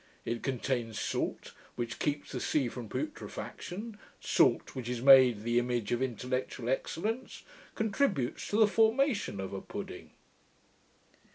It contains salt, which keeps the sea from putrefaction: salt, which is made the image of intellectual excellence, contributes to the formation of a pudding.